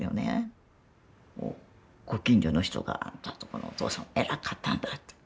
ご近所の人が「あんたのとこのお父さんは偉かったんだ」と。